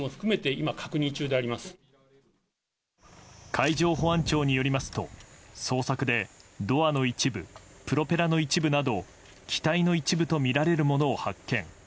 海上保安庁によりますと捜索でドアの一部プロペラの一部など機体の一部とみられるものを発見。